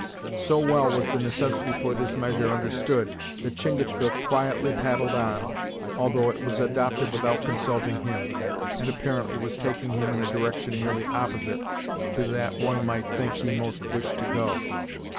So well was the necessity for this measure understood, that Chingachgook quietly paddled on, although it was adopted without consulting him, and apparently was taking him in a direction nearly opposite to that one might think he most wished to go.